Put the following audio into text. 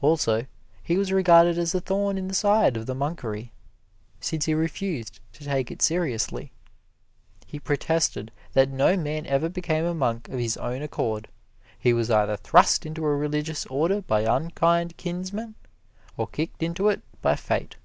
Also, he was regarded as a thorn in the side of the monkery, since he refused to take it seriously. He protested that no man ever became a monk of his own accord he was either thrust into a religious order by unkind kinsmen or kicked into it by Fate.